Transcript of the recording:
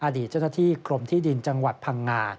อดีตเจ้าหน้าที่กรมที่ดินจังหวัดพังงา